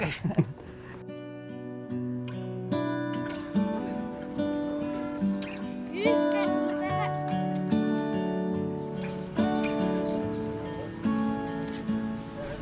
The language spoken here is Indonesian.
ini sudah terlihat